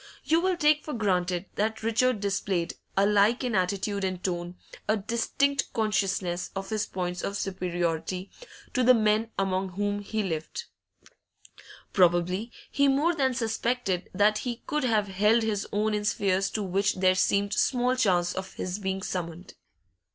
You will take for granted that Richard displayed, alike in attitude and tone, a distinct consciousness of his points of superiority to the men among whom he lived; probably he more than suspected that he could have held his own in spheres to which there seemed small chance of his being summoned.